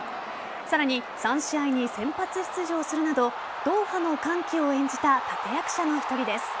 さらに３試合に先発出場するなどドーハの歓喜を演じた立役者の１人です。